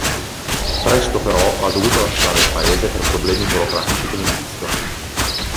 Presto però ha dovuto lasciare il paese per problemi burocratici con il visto.